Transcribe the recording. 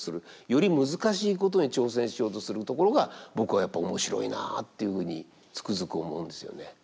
より難しいことに挑戦しようとするところが僕はやっぱり面白いなっていうふうにつくづく思うんですよね。